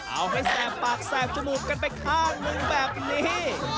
เอาให้แสบปากแสบจมูกกันไปข้างหนึ่งแบบนี้